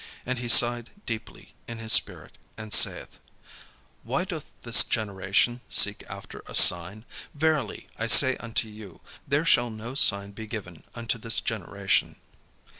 And he sighed deeply in his spirit, and saith: "Why doth this generation seek after a sign? Verily I say unto you. There shall no sign be given unto this generation."